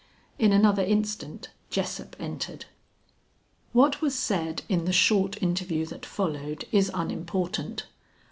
In another instant Jessup entered. What was said in the short interview that followed, is unimportant.